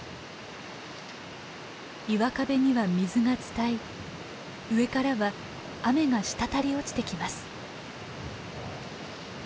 岩壁には水が伝い上からは雨が滴り落ちてきます。